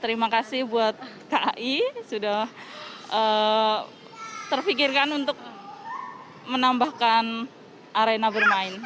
terima kasih buat kai sudah terfikirkan untuk menambahkan arena bermain